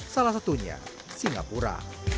salah satunya singapura